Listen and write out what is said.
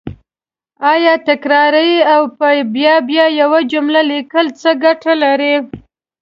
آیا تکراري او په بیا بیا یوه جمله لیکل څه ګټه لري